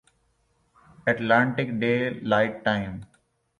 Atlantic daylight time